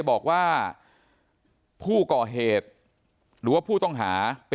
บอกว่าผู้ก่อเหตุหรือว่าผู้ต้องหา